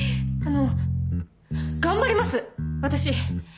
あの頑張ります私。